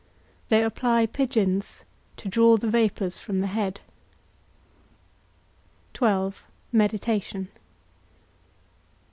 They apply pigeons, to draw the vapours from the head. XII. MEDITATION.